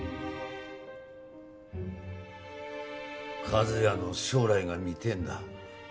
数也の将来が見てえんだ。